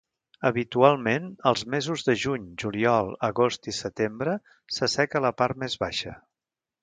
Habitualment, els mesos de juny, juliol, agost i setembre s'asseca a la part més baixa.